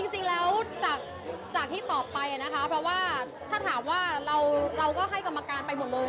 จริงแล้วจากที่ตอบไปนะคะเพราะว่าถ้าถามว่าเราก็ให้กรรมการไปหมดเลย